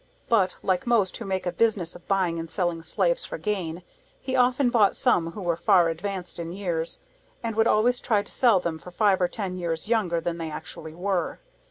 But, like most who make a business of buying and selling slaves for gain, he often bought some who were far advanced in years, and would always try to sell them for five or ten years younger than they actually were.